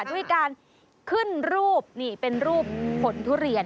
ด้วยการขึ้นรูปนี่เป็นรูปผลทุเรียน